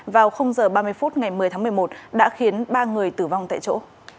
vào h ba mươi phút ngày một mươi tháng một mươi một đã khiến ba người tử vong tại chỗ